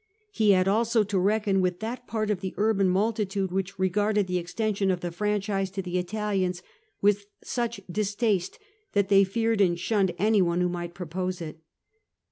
He had also to reckon with that part of the urban multitude which regarded the extension of the franchise to the Italians with such distaste that they feared and shunned any one who might propose it.